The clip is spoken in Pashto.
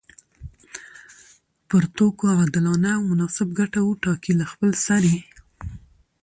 پر توکو عادلانه او مناسب ګټه وټاکي له خپلسري